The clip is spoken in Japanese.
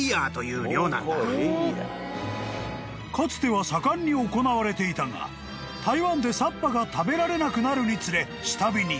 ［かつては盛んに行われていたが台湾でサッパが食べられなくなるにつれ下火に］